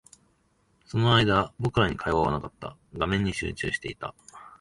その間、僕らに会話はなかった。画面に集中していた。